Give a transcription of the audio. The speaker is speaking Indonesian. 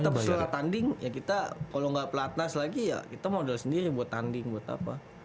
tetap setelah tanding ya kita kalau nggak pelatnas lagi ya kita modal sendiri buat tanding buat apa